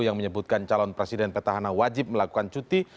yang menyebutkan calon presiden petahana wajib melakukan cuti